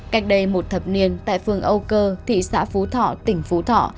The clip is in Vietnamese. cách đây một thập niên tại phường âu cơ thị xã phú thọ tỉnh phú thọ